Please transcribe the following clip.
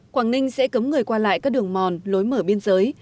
quảng ninh sẽ cấm người qua lại các đường mòn lối mở biên giới